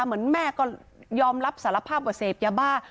เหมือนแม่ก็ยอมรับสารภาพว่าเสพยาบ้า